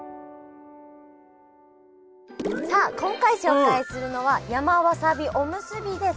さあ今回紹介するのは山わさびおむすびです。